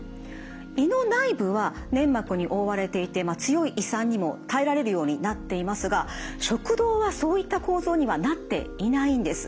胃の内部は粘膜に覆われていて強い胃酸にも耐えられるようになっていますが食道はそういった構造にはなっていないんです。